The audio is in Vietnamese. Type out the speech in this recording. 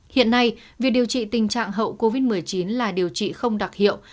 hiện nay việc điều trị tình trạng hậu covid một mươi chín là điều trị không đặc hiệu